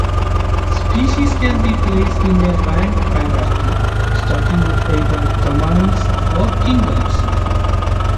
Species can be placed in a ranked hierarchy, starting with either "domains" or "kingdoms".